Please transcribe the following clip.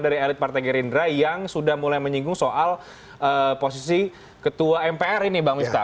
dari elit partai gerindra yang sudah mulai menyinggung soal posisi ketua mpr ini bang miftah